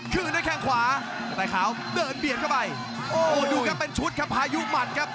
คืนแล้วแค้งขวากระต่ายขาวเดินเบียนเข้าไปโอ้โหดูกันเป็นชุดครับภายุหมั่นครับ